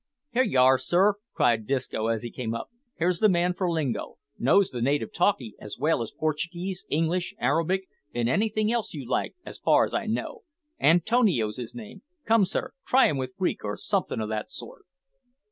"Here you are, sir," cried Disco, as he came up; "here's the man for lingo: knows the native talkee, as well as Portuguese, English, Arabic, and anything else you like, as far as I know. Antonio's his name. Come, sir, try him with Greek, or somethin' o' that sort!"